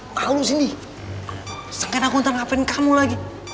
kalau lo cindy sengkaknya aku ntar ngapain kamu lagi